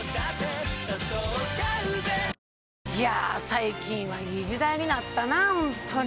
最近はいい時代になったなホントに。